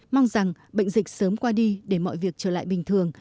mong rằng bệnh dịch sớm qua đi để mọi việc trở lại bình thường